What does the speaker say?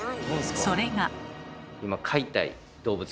それが。